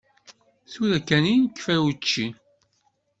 Tura kan i nekfa učči.